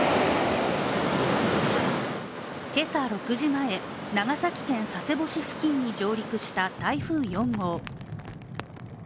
今朝６時前、長崎県佐世保市付近に上陸した台風４号。